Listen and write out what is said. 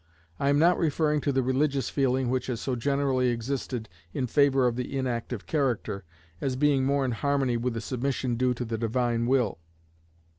I am not referring to the religious feeling which has so generally existed in favor of the inactive character, as being more in harmony with the submission due to the divine will.